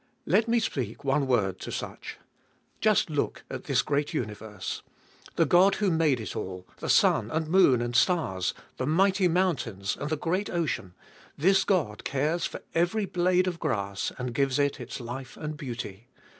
Let me speak one word to such. Just look at this great universe. The God who made it all, the sun and moon and stars, the mighty mountains and the great ocean ; this God cares for every blade of grass and gives it its life and beauty.